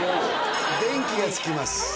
電気がつきます。